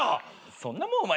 そんなもんお前